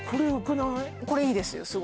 これいいですよ